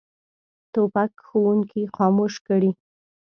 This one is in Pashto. توپک ښوونکي خاموش کړي.